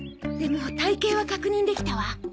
でも体形は確認できたわ。